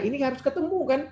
ini harus ketemu kan